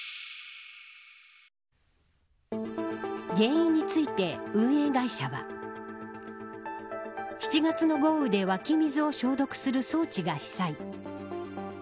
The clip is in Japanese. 原因について運営会社は７月の豪雨で湧き水を消毒する装置が被災。